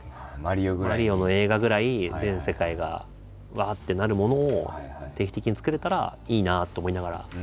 「マリオ」の映画ぐらい全世界がうわってなるものを定期的に作れたらいいなと思いながら。